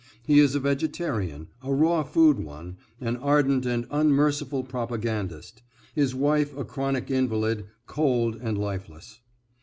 He is a vegetarian, a raw food one, an ardent and unmerciful propagandist; his wife a chronic invalid, cold and lifeless.